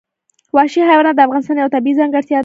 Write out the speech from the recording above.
وحشي حیوانات د افغانستان یوه طبیعي ځانګړتیا ده.